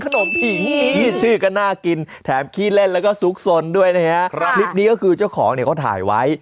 ขนมผิงขี้ชื่อก็น่ากินแถมขี้เล่นแล้วก็ซุกสนด้วยนะฮะคลิปนี้ก็คือเจ้าของเนี่ยเขาถ่ายไว้